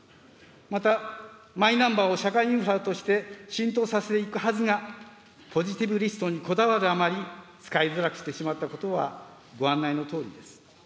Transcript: またマイナンバーを社会インフラとして浸透させていくはずが、ポジティブリストにこだわるあまり、使いづらくしてしまったことはご案内のとおりです。